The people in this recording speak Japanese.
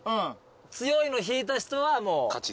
強いの引いた人は勝ち。